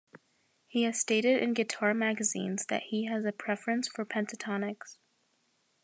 He has stated in guitar magazines that he has a preference for pentatonics.